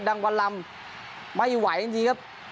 วันลำไม่ไหวจริงครับ